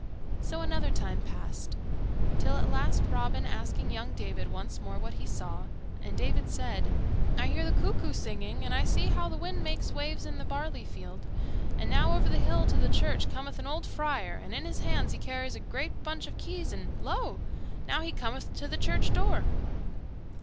So another time passed, till at last Robin asked young David once more what he saw; and David said, "I hear the cuckoo singing, and I see how the wind makes waves in the barley field; and now over the hill to the church cometh an old friar, and in his hands he carries a great bunch of keys; and lo! Now he cometh to the church door."